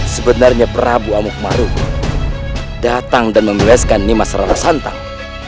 sebenarnya prabu amuk marugul datang dan membebaskan imas rana santang